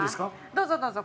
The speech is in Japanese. どうぞどうぞ。